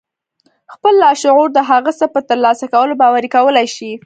خپل لاشعور د هغه څه په ترلاسه کولو باوري کولای شئ.